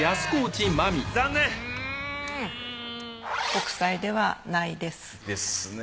北斎ではないです。ですね。